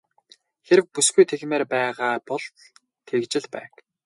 Хэрэв бүсгүй тэгмээр байгаа бол тэгж л байг.